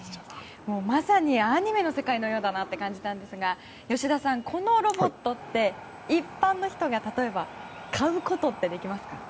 まさにアニメの世界のような感じですが吉田さん、このロボットは一般の人が例えば買うことってできますか？